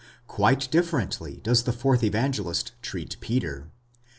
Quite differently does the fourth Evangelist treat Peter.